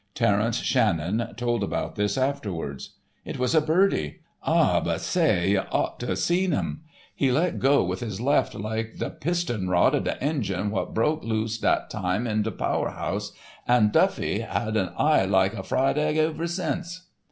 Terence Shannon told about this afterward. "It was a birdie. Ah, but say, y' ought to of seen um. He let go with his left, like de piston rod of de engine wot broke loose dat time at de power house, an' Duffy's had an eye like a fried egg iver since."